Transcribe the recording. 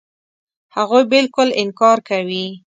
هغوی بالکل انکار کوي.